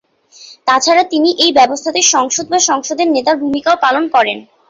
তাছাড়া তিনি এই ব্যবস্থাতে সংসদ বা সংসদের নেতার ভূমিকাও পালন করেন।